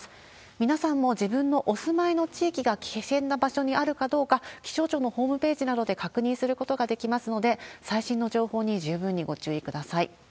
皆さんも自分のお住まいの地域が危険な場所にあるかどうか、気象庁のホームページなどで確認することができますので、最新の情報に十分にご注意ください。